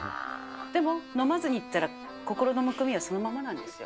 でも飲まずにいったら心のむくみはそのままなんですよ。